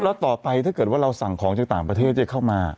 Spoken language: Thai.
แล้วต่อไปถ้าเกิดว่าเราสั่งของจากต่างประเทศจะเข้ามา